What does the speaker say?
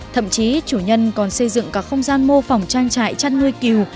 thậm chí chủ nhân còn xây dựng các không gian mô phỏng trang trại chăn nuôi cừu